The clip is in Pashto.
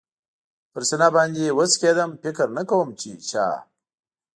پر سینه باندې و څکېدم، فکر نه کوم چې چا.